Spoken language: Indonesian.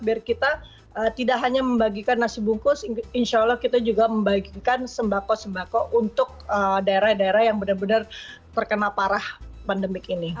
biar kita tidak hanya membagikan nasi bungkus insya allah kita juga membagikan sembako sembako untuk daerah daerah yang benar benar terkena parah pandemik ini